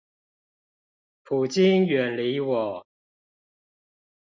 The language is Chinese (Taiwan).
普京遠離我